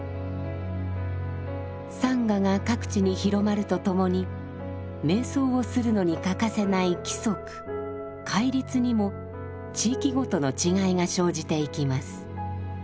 サンガが各地に広まるとともに瞑想するのに欠かせない規則「戒律」にも地域ごとの違いが生じていきます。